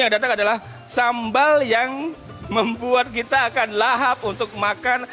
yang datang adalah sambal yang membuat kita akan lahap untuk makan